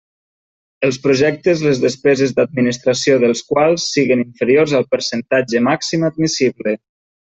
Els projectes les despeses d'administració dels quals siguen inferiors al percentatge màxim admissible.